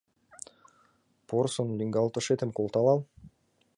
Порсын лӱҥгалтышетым колталал!